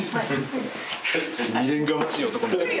未練がましい男みたいな。